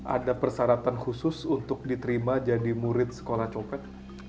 ada persyaratan khusus untuk diterima jadi murid sekolah copet